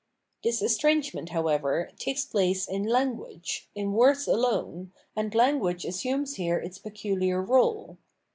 This estrangement, however, takes place in Language, in words alone, and language assumes here its peculiar role.